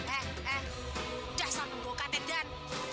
eh eh udah selalu bawa katet dan